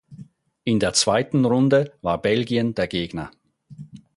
In der zweiten Runde war Belgien der Gegner.